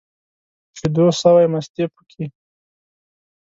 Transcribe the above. شيدو سوى ، مستې پوکي.